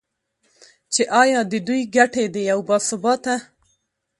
چې ایا د دوی ګټې د یو با ثباته